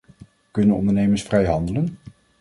Kunnen ondernemers vrij handelen?